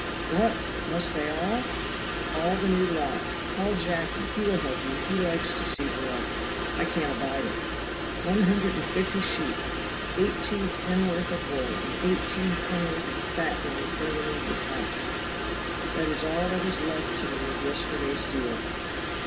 "What! must they all " "All the new lot. Call Jacky, he will help you; he likes to see blood. I can't abide it. One hundred and fifty sheep; eighteen pennorth of wool, and eighteen pennorth of fat when we fling 'em into the pot that is all that is left to me of yesterday's deal."